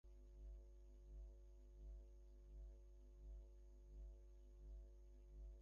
মহেন্দ্র গ্রীষেমর সন্ধ্যায় একখানা পাতলা চাদর গায়ে ছাদের এধারে ওধারে বেড়াইতে লাগিল।